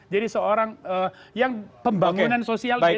jadi seorang yang pembangunan sosial